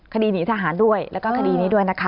คดีหนีทหารด้วยแล้วก็คดีนี้ด้วยนะคะ